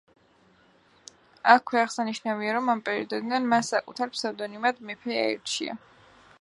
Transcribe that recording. აქვე აღსანიშნავია, რომ ამ პერიოდიდან მან საკუთარ ფსევდონიმად „მეფე“ აირჩია.